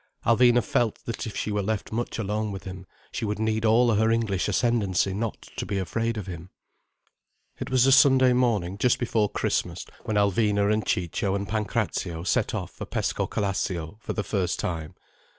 Alvina felt that if she were left much alone with him she would need all her English ascendancy not to be afraid of him. It was a Sunday morning just before Christmas when Alvina and Ciccio and Pancrazio set off for Pescocalascio for the first time.